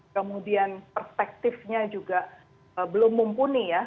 kemudian perspektifnya juga belum mumpuni ya